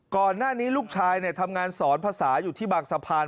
ก่อนหน้านี้ลูกชายทำงานสอนภาษาอยู่ที่บางสะพาน